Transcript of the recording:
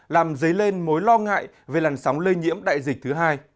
làm dấy lên mối lo ngại về làn sóng lây nhiễm đại dịch thứ hai